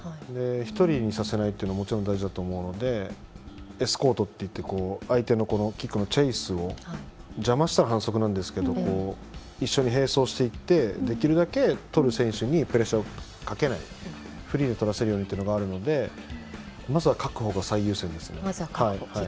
１人にさせないというのがもちろん大事だと思うのでエスコートといって相手のキックのチェイスを邪魔したら反則なんですが一緒に並走していってできるだけとる選手にプレッシャーをかけないフリーでとらせるようにというのがあるのでまず確保が最優先ですね。